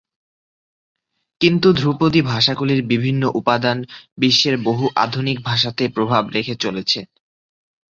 কিন্তু ধ্রুপদী ভাষাগুলির বিভিন্ন উপাদান বিশ্বের বহু আধুনিক ভাষাতে প্রভাব রেখে চলেছে।